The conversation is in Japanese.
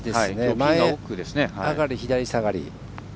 前上がり左下がり。